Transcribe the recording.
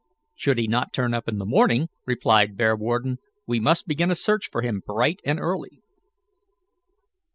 "Should he not turn up in the morning," replied Bearwarden, "we must begin a search for him bright and early."